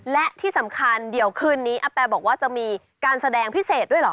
และที่สำคัญเดี๋ยวคืนนี้อาแปบอกว่าจะมีการแสดงพิเศษด้วยเหรอ